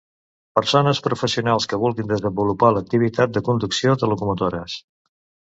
Persones professionals que vulguin desenvolupar l'activitat de conducció de locomotores.